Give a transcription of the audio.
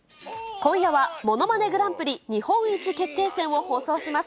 今夜はものまねグランプリ日本一決定戦を放送します。